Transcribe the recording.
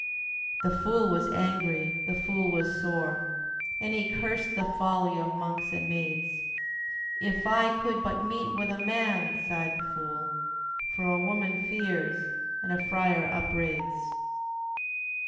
The fool was angry, the fool was sore, And he cursed the folly of monks and maids. "If I could but meet with a man," sighed the fool, "For a woman fears, and a friar upbraids."